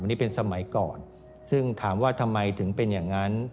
นี่เป็นสมัยก่อนซึ่งถามว่าทำไมถึงเป็นอย่างนั้น